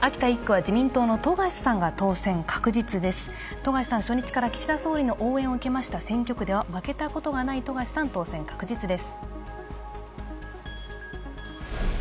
冨樫さん初日から岸田総理の応援を受けました選挙区では負けたことのない冨樫さん、当選確実です。